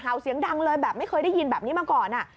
เสียงดังเลยแบบไม่เคยได้ยินแบบนี้มาก่อน